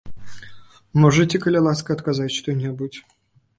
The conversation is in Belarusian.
Можаце, калі ласка, адказаць што-небудзь?